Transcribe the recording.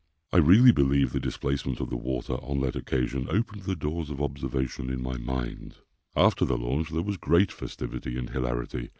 I really believe the displacement of the water on that occasion opened the doors of observation in my mind. After the launch there was great festivity and hilarity.